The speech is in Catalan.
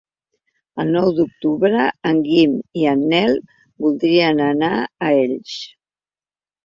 El nou d'octubre en Guim i en Nel voldrien anar a Elx.